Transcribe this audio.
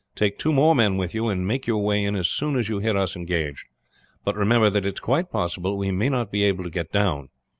Take two more men with you, and make your way in as soon as you hear us engaged. But remember that it is quite possible we may not be able to get down.